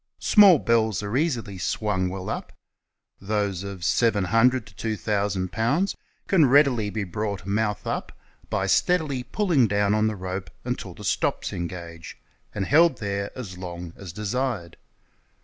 Small bells are easily swung well up. Those of 700 to 2,000 lbs. can readily Ije l)rought AIOUTH UP l)y steadily pulling down on the rope until the "STOPS" engage, and held there as long as desired.